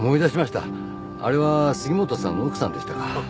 あれは杉本さんの奥さんでしたか。